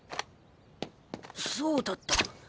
そうだった。